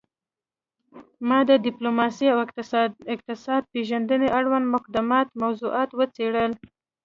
ما د ډیپلوماسي او اقتصاد پیژندنې اړوند مقدماتي موضوعات وڅیړل